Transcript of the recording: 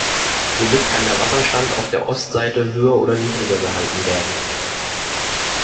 Somit kann der Wasserstand auf der Ostseite höher oder niedriger gehalten werden.